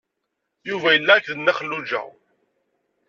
Yuba yella akked Nna Xelluǧa.